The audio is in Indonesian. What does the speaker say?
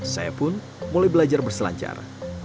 saya pun mulai belajar berselancar